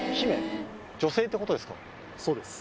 そうです。